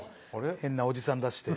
変なおじさん出して。